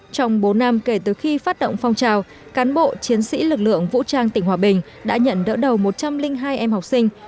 trong bốn năm kể từ khi phát động phong trào cán bộ chiến sĩ lực lượng vũ trang tỉnh hòa bình đã nhận đỡ đầu một trăm linh hai em học sinh